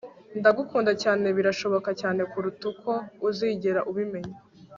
ndagukunda cyane birashoboka cyane kuruta uko uzigera ubimenya